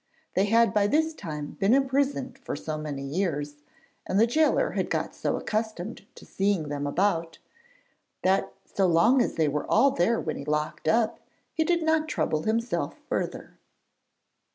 They had by this time been imprisoned for so many years, and the gaoler had got so accustomed to seeing them about, that so long as they were all there when he locked up, he did not trouble himself further.